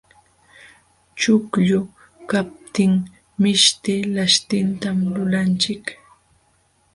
Chuqllu kaptin mishki laśhtitan lulanchik.